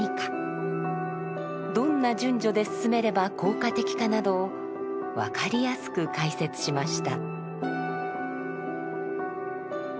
どんな順序で進めれば効果的かなどを分かりやすく解説しました。